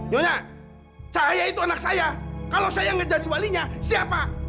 nyonya cahaya itu anak saya kalau saya yang ngejadi walinya siapa